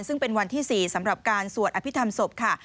ซึ่งเป็นวันที่๔สำหรับการสวดอภิษฐรรมศพค่ะ